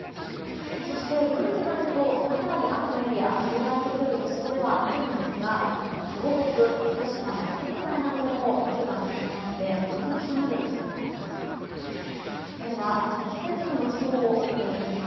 そして、夜になると更に雨のエリアが広がってくる予想ではあるんですが東北、福島や仙台などでも雪が強まって大雪となる恐れがあります。